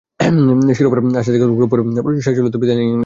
শিরোপার আশা জাগিয়েও গ্রুপ পর্বে, বড়জোর শেষ ষোলোতেই বিদায় নেয় ইংল্যান্ড।